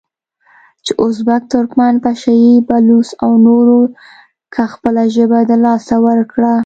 چې ازبک، ترکمن، پشه یي، بلوڅ او نورو که خپله ژبه د لاسه ورکړه،